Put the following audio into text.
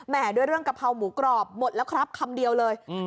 ด้วยเรื่องกะเพราหมูกรอบหมดแล้วครับคำเดียวเลย